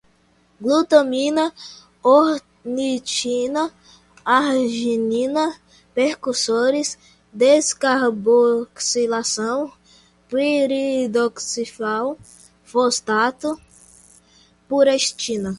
glutamina, ornitina, arginina, precursores, descarboxilação, piridoxal fosfato, putrescina